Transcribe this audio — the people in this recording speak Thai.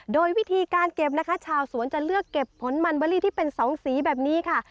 โดยวิธีการเก็บนะคะชาวสวนจะเลือกเก็บผลมันเบอรี่ที่เป็นสองสีแบบนี้ค่ะ